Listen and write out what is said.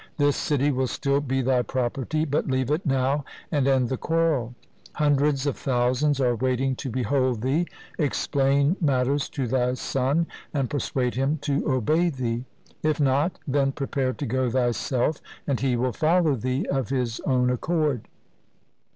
This city will still be thy property, but leave it now and end the quarrel. Hundreds of thousands are waiting to behold thee. Explain matters to thy son and persuade him to obey thee. If not, then prepare to go thyself, and he will follow thee of his own accord.